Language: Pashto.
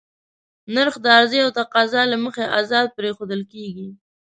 نرخ د عرضې او تقاضا له مخې ازاد پرېښودل کېږي.